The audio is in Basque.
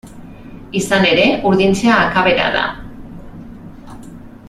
Izan ere, urdintzea akabera da.